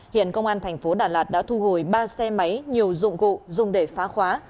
hiện công an thành phố đà lạt đã thu hồi ba xe máy nhiều dụng cụ dùng để phá khóa